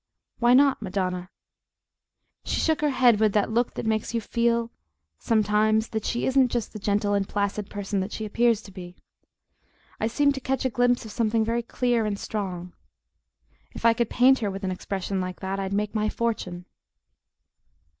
"Why not, Madonna?" She shook her head, with that look that makes you feel sometimes that she isn't just the gentle and placid person that she appears to be. I seemed to catch a glimpse of something very clear and strong. If I could paint her with an expression like that I'd make my fortune.